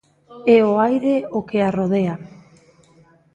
É o aire o que arrodea.